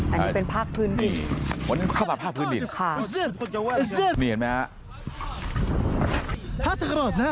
อันนี้เป็นภาพพื้นหลินค่ะนี่เห็นมั้ยฮะ